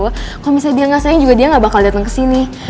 kalo misalnya dia gak sayang juga dia gak bakal dateng kesini